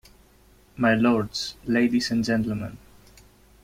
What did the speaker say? My lords, ladies and gentlemen.